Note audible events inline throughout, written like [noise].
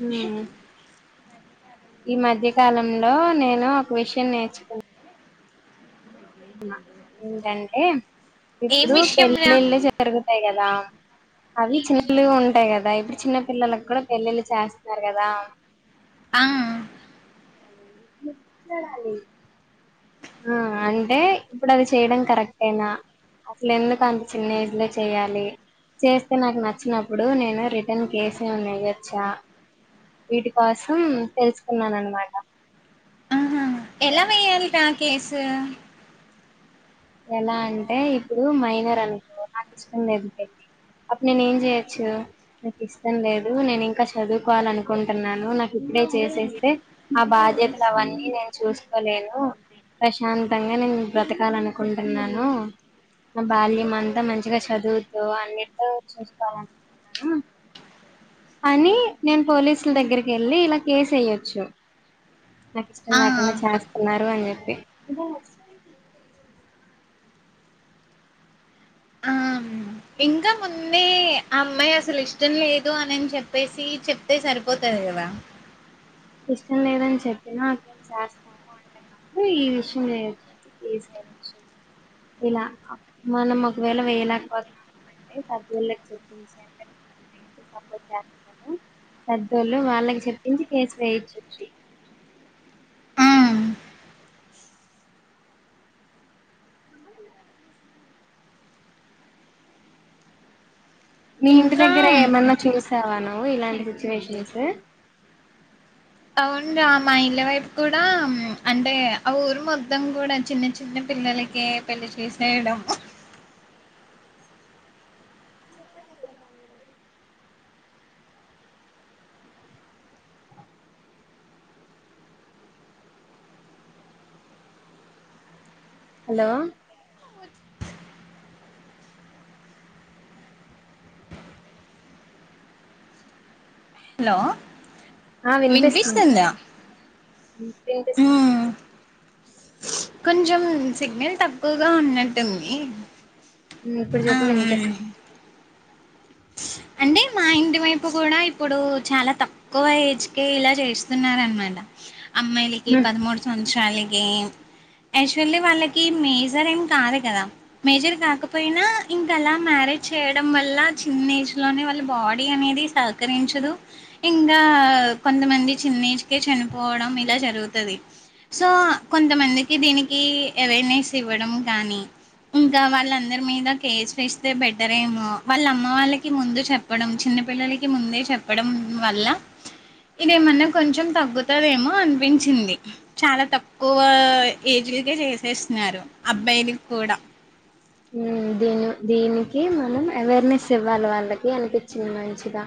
హుమ్ ఈ మధ్యకాలంలో నేను ఒక విషయం నేర్చుకున్ ఏంటంటే ఏం ఇప్పుడు విషయంరా పెళ్లిళ్లు జరుగు ఉంటాయి కదా అవి చిన్నలగా ఉంటాయి కదా ఇప్పుడు చిన్న పిల్లలకు కూడా పెళ్లిళ్లు చేస్తున్నారు కదా ఆ ఆ అంటే ఇప్పుడు అది చేయడం కరెక్టేనా అసలు ఎందుకు అంత చిన్న ఏజ్ లో చేయాలి చేస్తే నాకు నచ్చినప్పుడు నేను రిటర్న్ కేసు నేను ఏయచ్చా వీటి కోసం తెలుసుకున్నాను అనమాట ఆహా ఎలా వేయాలి ట కేసు ఎలా అంటే ఇప్పుడు మైనర్ అనుకో నాకు ఇష్టం లేదు పెళ్లి అప్పుడు నేను ఏం చేయొచ్చు నాకు ఇష్టం లేదు నేను ఇంకా చదువుకోవాలి అనుకుంటున్నాను నాకు ఇప్పుడే చేసేస్తే ఆ బాధ్యతలు అవన్నీ నేను చూసుకోలేను ప్రశాంతంగా నేను బ్రతకాలను అనుకుంటున్నాను నా బాల్యం అంతా మంచిగా చదువుదు అన్నిట్లో చూసుకోవాలనుకుంటున్నాను అని నేను పోలీసుల దగ్గరికి వెళ్ళి ఇలా కేసు ఏయచ్చు నాకు ఇష్టం ఆ లేకుండా చేస్తున్నారు అని చెప్ ఆ ఇంకా ముందే ఆ అమ్మాయి అసలు ఇష్టం లేదు అనిన్ చెప్పేసి చెప్తే సరిపోతది కదా ఇష్టం లేదని చెప్పినా అక్కం చేస్తాము అంటేప్పుడు ఈ విషయం చేయొచ్చు అ చేసే విషయం ఇలా మనం ఒకవేళ వేయలేకపోతున్నాము అంటే పెద్దళ్ళకి చెప్పించి అంటే సపోట్ చేస్తు పెళ్ళు వాళ్ళకి చెప్పించిసు వేయిచచ్చు ఆ అ మీ ఇంటి ఇంకా దగ్గరే ఏమన్నా చూసావా నా మో ఇలాంటి సిచువేషన్స్ అవును రా మా ఇల్ల వైపు కూడా అంటే ఆ ఊరు మొత్తం కూడా చిన్న చిన్న పిల్లలకే పెళ్లి చేసేయడం హలో హలో ఆ వినిపిస్తుంది వినిపిస్తుందా ఉ పెయింటసు ఉమ్, కొంచెం సిగ్నల్ తక్కువగా ఉన్నట్టుంది ఉమ్ ఇప్పుడు ఆ చెప్పవే ఉమ్. ఎంతసు అంటే మా ఇంటి వైపు కూడా ఇప్పుడు చాలా తక్కువ ఏజ్ కె ఇలా చేస్తున్నారు అనమాట అమ్మాయిలకి పదమూడు సంద్ చలాగే యాక్చువల్లీ వాళ్ళకి మేజర్ ఏం కాదు కదా మేజర్ కాకపోయినా ఇంకా అలా మ్యారేజ్ చేయడం వల్ల చిన్న ఏజ్ లోనే వాళ్ళ బాడీ అనేది సహకరించదు ఇంకా కొంతమంది చిన్న ఏజ్ కే చనిపోవడం ఇలా జరుగుతది సో కొంతమందికి దీనికి అవేర్నెస్ ఇవ్వడం కానీ ఇంకా వాళ్ళందరి మీద కేర్స్ వేస్తే బెటర్ ఏమో వాళ్ళ అమ్మ వాళ్ళకి ముందు చెప్పడం చిన్న పిల్లలకి ముందే చెప్పడం వల్ల ఇది ఏమన్నా కొంచెం తగ్గుతుందేమో అనిపించింది చాలా తక్కువ ఏజ్ కే చేసేస్ తున్నారు అబ్బాయిలు కూడా ఉమ్, దీని దీనికి మనం అవేర్నెస్ ఇవ్వాలి వాళ్ళకి అనిపించింది మంచిగా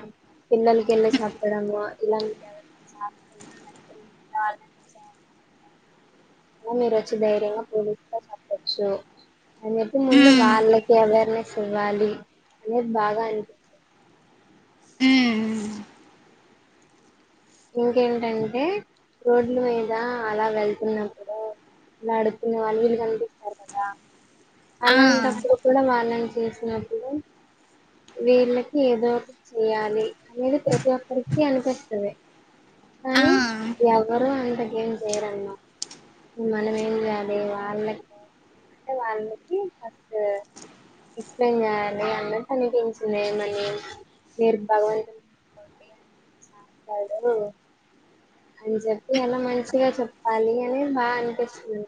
పిల్లలకి వెళ్ళి చెప్పడము ఇలాంటి ఎవరి చేస్తున్ననివాలని అనీ మీరు వాచ్చి ధైర్యంగా పోలీసుగా చెప్పొచ్చు అని చెప్పి ముందు ఉమ్ వాళ్ళకి అవేర్నెస్ ఇవ్వాలి అనే బాగా అనిపిచ్ ఉ ఇంకేంటంటే రోడ్ల మీద అలా వెళ్తున్నప్పుడు ఇలా అడుక్కునే వాళ్ళు వీళ్ళు కనిపిస్తారు కదా ఆ అలాంటప్పుడు కూడా వాళ్ళని చేసినప్పుడు వీళ్ళకి ఏదో చెయాలి అనేది ప్రతి ఒక్కరికి అనిపిస్తుంది కానీ ఆ ఎవరు అంతక ఏం చేయరన్నా మనం ఏం చేయాలి వాళ్ళకి అంటే వాళ్ళకి ఫస్ట్ ఎక్సప్లయిన్ చేయాలి అన్న కనిపించిన మనీ మీరు భగవతుంతోటి బడువో అని చెప్పి అలా మంచిగా చెప్పాలి అని బాగా అనిపిస్తుంది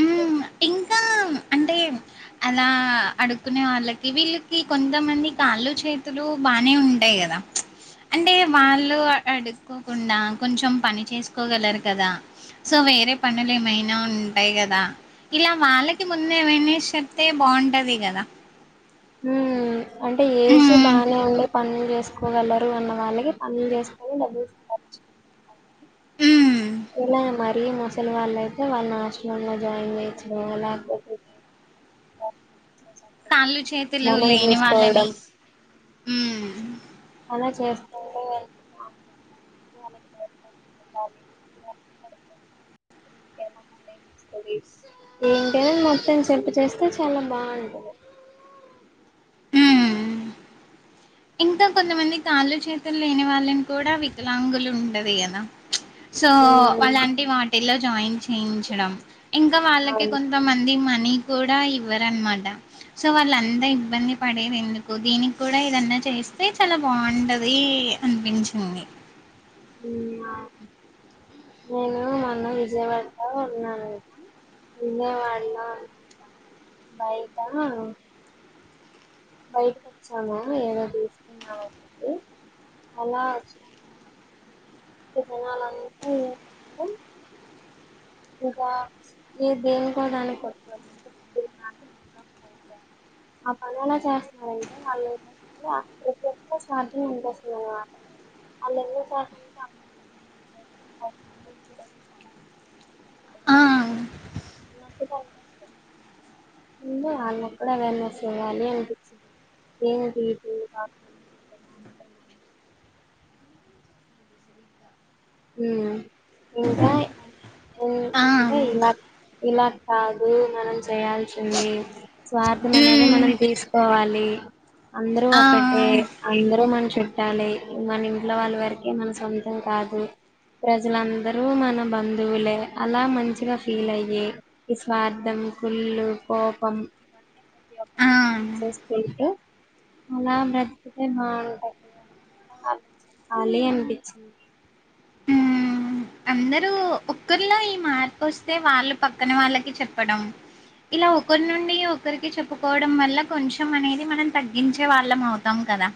హ్మ్. ఇంకా అంటే అలా అడుకునే వాళ్ళకి వీళ్ళకి కొంతమంది కాళ్ళు చేతులు బానే ఉంటాయి కదా అంటే వాళ్ళు అడుక్కోకుండా కొంచెం పని చేసుకోగలరు కదా సో వేరే పనులు ఏమైనా ఉంటాయి కదా ఇలా వాళ్ళకి ముంద ఏమైనా స అంతే బాగుంటది కదా అంటే ఏజ్ బానే ఉందిే పనులు చేసుకోగలరు అన్న వాళ్ళకి పనులు చేసుకొని డబ్బులు సంప హ్మ్ ఇలా మరీ ముసలి వాళ్ళ అయితే వాళ్ళు ఆశ్రమం లో జాయిన్ చేయచ్చు లేకపోతే తళ్లు చేతులు మనం లేని వాళ్ళని చేసుకోవడం హ్మ్. అలా చేస్తుంటే ఏంటని మొత్తం చెప్పు చేస్తే చాలా బాగుంటుంది హ్మ్. ఇంకా కొంతమంది కాళ్ళు చేతులు లేని వాళ్ళని కూడా వికలాంగులు ఉండది కదా సో ఉమ్, అలాంటి వాటిల్లో జాయిన్ చేయించడం ఇంకా వాళ్ళకి అవును కొంతమంది మ అని కూడా ఇవ్వరనమాట సో వాళ్ళ అంత ఇబ్బంది పడేది ఎందుకు దీనికి కూడా ఎదన్నా చేస్ అంతే చాలా బాగుంటది అనిపించింది నేను మొన్న విజయవాడలో ఉన్నాను విజయవాడలో బయట బయట వచ్చాము ఏమో చూస్తున్నా అది అలా వచ్చ జనాలకుకు ఇంకా ఏ దేనికో దానికి కొ మాట ఆ పని ఎలా చేస్తున్నారంటే వాళ్ళు సాధ్యం అనిపిస్తుంది అనమాట వాళ్ళు ఎ చేస్తంటే ఆ వాళ్ళకి కూడా అవార్నెస్ ఇవాళి అనిపించింది ఏమి [inaudible] హ్మ్ ఇంక ఆ అంటే ఇలా ఇలా కాదు మనం చేయాల్సింది స్వార్థం అనేది మనం ఉమ్ తీసుకోవాలి డి అందరూ ఆ ఒక్కటే అందర మన చుట్టాలే మన ఇంట్లో వాళ్ళ వరకే మన సొంతం కాదు ప్రజలందరూ మన బంధువులే అలా మంచిగా ఫీల్ అయ్యి ఈ స్వార్థం కుళ్ళు కోపం ఆ ఇవన్నీ తీసేసుంటూ అలా బ్రతితే బాగుంటంది చెప్పాలి అనిపించింది అందరుూ ఒకరిలో ఈ మార్పు వస్తే వాళ్ళు పక్కన వాళ్ళకి చెప్పడం ఇలా ఒకరి నుండి ఒకరికి చెప్పుకోవడం వల్ల కొంచం అనేది మనం తగ్గించే వాళ్ళం అవుతాం కదా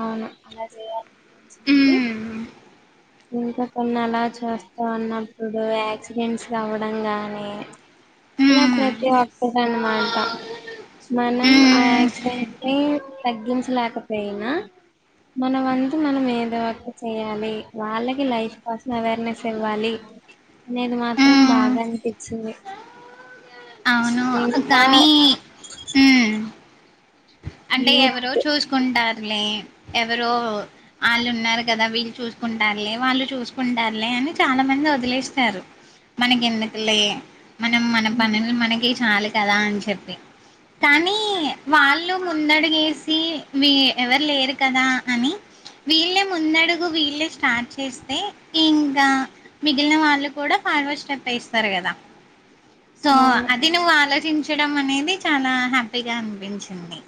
అవును అలా చేయాలపచ్చంది ఉమ్ ఇంకా కొన్ని అలా చూస్తూ ఉన్నప్పుడు యాక్సిడెంట్స్ అవ్వడం గాని ఇలా ప్రతి ఒక్కటి అనమాట మనం ఆ యాక్సిడెంట్ ని తగ్గించలేకపోయినా మన వంతు మనం ఏదో ఒక్క చేయాలి వాళ్ళకి లైఫ్ కోసం అవేర్నెస్ ఇవ్వాలి అనేది మాత్రం బాగా అనిపించింది ఇంకా కానీ ఉమ్ అంటే ఎవరో యూత్ చూసుకుంటారు లే ఎవరో వాళ్ళు ఉన్నారు కదా వీళ్ళు చూసుకుంటారులే వాళ్ళు చూసుకుంటారులే అని చాలా మంది వదిలేస్తారు మనకి ఎందుకు లే మనం మన పనులు మనకి చాలు కదా అని చెప్పి కానీ వాళ్ళు కుందడు గీసి మీ ఎవరు లేరు కదా అని వీళ్లే ముందు అడుగు వీళ్ళే స్టార్ట్ చేస్తే ఇంకా మిగిలిన వాళ్ళు కూడా ఫార్వర్డ్ స్టెప్ వేస్తారు కదా సో అవును అది నువ్వు ఆలోచించడం అనేది అది చాలా హ్యాపీగా అనిపించింది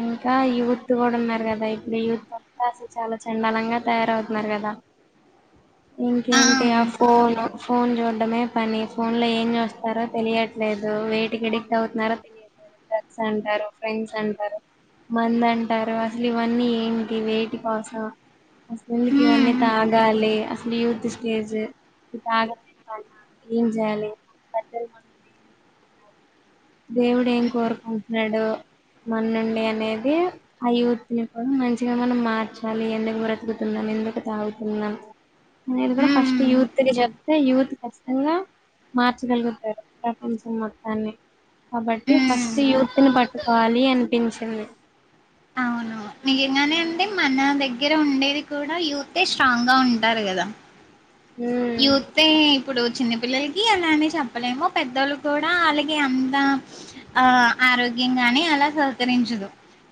ఇంకా యూత్ కూడా ఉన్నారు కదా ఇప్పుడు యూత్ అంతా అసలు చాలా చండాలంగా తయారవుతున్నారు కదా ఇంకేంటి ఆ ఫోన్ ఫోన్ చూడడమే పని ఫోన్ లో ఏం చూస్తారో తెలియట్లేదు వేటికి ఎడిక్ట్ అవుతున్నారో తెలియట్లేదు డ్రగ్స్ అంటారు ఫ్రెండ్స్ అంటారు మందు అంటారు అసలు ఇవన్నీ ఏంటి వేటి కోసం అసలికి ఇవన్నీ మ్మ్ తాగాలి అసలు యూత్ స్టేజ్ తాగలే పైగా ఏం చేయాలి బట్టలు మ దేవుడు ఏం కోరుకుంటున్నాడు. మన నుండి అనేది ఆ యూత్ ని కూడ మంచిగా మనం మార్చాలి. ఎందుకు బ్రతుకుతున్నాం, ఎందుకు తాగుతున్నాం, అనేది కూడా ఫస్ట్ మ్మ్ యూత్ ని చెప్తే యూత్ ఖచ్చితంగా మార్చగలుగుతారు ప్రపంచం మొత్తాన్ని కాబట్టి ఫస్ట్ మ్మ్ యూత్ ని బట్టి కావాలి అనిపించింది అవును నిజంగానే అంటే మన దగ్గర ఉండేది కూడ యూతే స్ట్రాంగ్ గా ఉంటారు కదా ఉమ్ యూతే ఇప్పుడు చిన్న పిల్లలకి అలానే చెప్పలేము పెద్దోళ్ళు కూడా వాళ్ళకి అంత ఆ ఆరోగ్యం గాని అలా సహకరించదు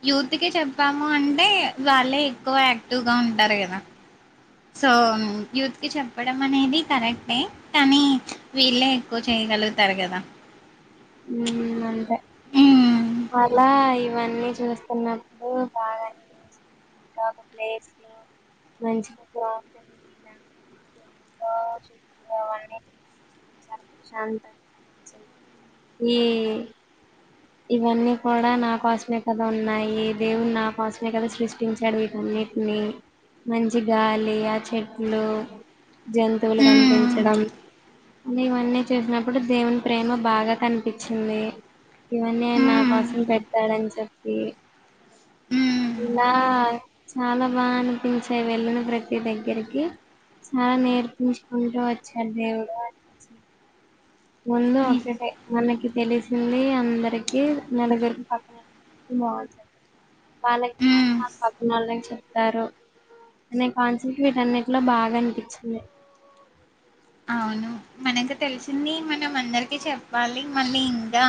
యూత్ కి చెప్పాము అంటే వాళ్ళే ఎక్కువ యాక్టివ్ గా ఉంటారు కదా సో యూత్ కి చెప్పడం అనేది కరెక్టే కానీ వీళ్ళే ఎక్కువ చేయగలుగుతారు కదా మ్మ్ అంతే ఉమ్ అలా ఇవన్నీ చూస్తున్నప్పుడు బాగా అనిపించింది ఇంకా ఒక ప్లేస్ లో మంచిగా చెట్లు [inaudible] ఈ ఇవన్నీ కూడా నా కోసమే కదా ఉన్నాయి దేవుని నా కోసమే కదా సృష్టించాడు. వీటన్నిటిని మంచి గాలి ఆ చెట్లు జంతువులు ఉమ్ కనిపించడం అని ఇవన్నీ చూసినప్పుడు దేవుని ప్రేమ బాగా కనిపించింది. ఇవన్నీ ఆయన నా ఉమ్ కోసం పెట్టాడని చెప్పి ఉమ్ ఇలా చాల బాగ అనిపించేవీ వెళ్ళిన ప్రతి దగ్గరికి చాలా నేర్పించుకుంటూ వచ్చాడు దేవుడు అనిపించింది ముందు ని ఒకటే మనకి తెలిసింది అం దరికి నెలగురికి పక్కనోళ్ళు బాగుంటారు వాళ్ళకి తెలిసిన ఉమ్ ఆ పక్కన వాళ్ళకి చెప్తారు అనే కాన్సెప్ట్ వీటన్నింటిలో బాగ అనిపించింది అవును మనకి తెలిసింది మనం అందరికి చెప్పాలి మళ్ళీ ఇంకా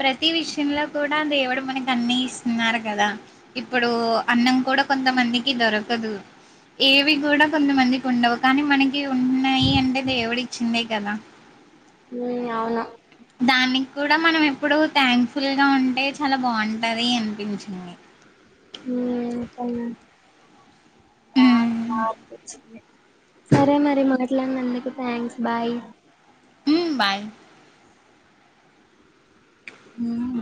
ప్రతి విషయంలో కూడ దేవుడు మనకి అన్నీ ఇస్తున్నారు కదా ఇప్పుడు అన్నం కూడ కొంతమందికి దొరకదు ఏవి కూడ కొంతమందికి ఉండవు కానీ మనకి ఉం టే దేవుడు ఇచ్చిందే కదా మ్మ్ అవును దానికి కూడ మనం ఎప్పుడు థ్యాంక్ఫుల్ గా ఉంటే చాల బాగుంటది అనిపించింది హ్మ్ ఉమ్ [unintelligible] సరే మరి మాట్లాడినందుకు థ్యాంక్స్ బాయ్ మ్మ్ బాయ్ హ్మ్